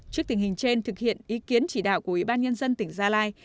trước tình hình trên thực hiện ý kiến chỉ đạo của ủy ban nhân dân tỉnh gia lai